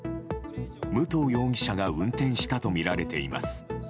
武藤容疑者が運転したとみられています。